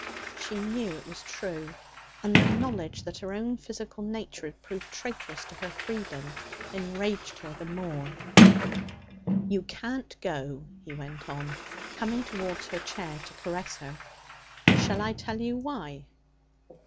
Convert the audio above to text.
She knew it was true, and the knowledge that her own physical nature had proved traitorous to her freedom enraged her the more. 'You can't go,' he went on, coming towards her chair to caress her. 'Shall I tell you why?'